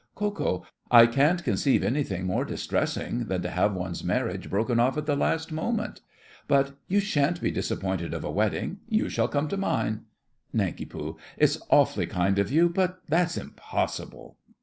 KO. I can't conceive anything more distressing than to have one's marriage broken off at the last moment. But you shan't be disappointed of a wedding—you shall come to mine. NANK. It's awfully kind of you, but that's impossible.